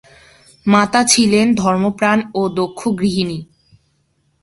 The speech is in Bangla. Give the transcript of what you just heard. মাতা ছিলেন ধর্মপ্রাণ ও দক্ষ গৃহিণী।